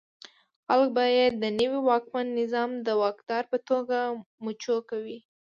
خلک به یې د نوي واکمن نظام د واکدار په توګه مچو کوي.